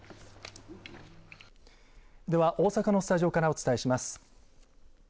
では大阪のスタジオからお伝えします。